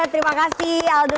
terima kasih aldo